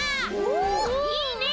おいいね！